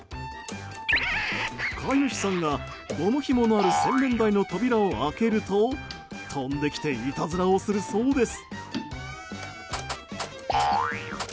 飼い主さんが、ゴムひものある洗面台の扉を開けると飛んできていたずらをするそうです。